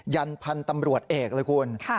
ยันพันธุ์ตำรวจเอกเลยคุณ